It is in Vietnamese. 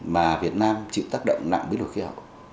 mà việt nam chịu tác động nặng biến đổi khí hậu